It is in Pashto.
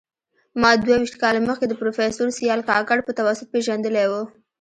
ما دوه ویشت کاله مخکي د پروفیسر سیال کاکړ په توسط پېژندلی و